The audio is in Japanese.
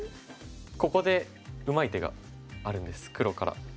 ここでうまい手があるんです黒から。